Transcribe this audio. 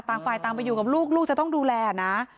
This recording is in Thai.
ต่างฝ่ายต่างไปอยู่กับลูกลูกจะต้องดูแลนะ